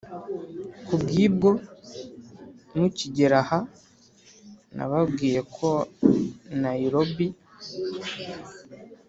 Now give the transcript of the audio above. kubwibwo mukigeraha na babwiye ko nayirobi